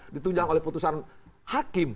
ditunjang oleh putusan hakim